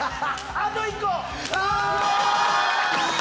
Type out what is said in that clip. あと１個！